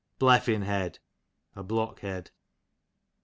Bleffin head, a blockhead.